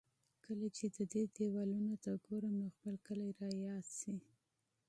کله چې د دې دېوالونو ته ګورم، نو خپل کلی را یادېږي.